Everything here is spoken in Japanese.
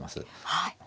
はい。